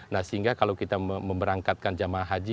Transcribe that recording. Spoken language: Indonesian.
nah sehingga kalau kita memberangkatkan jamaah haji